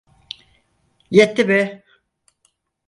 Yetti be!